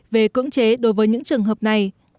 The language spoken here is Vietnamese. về cưỡng chế đối với những trường hợp này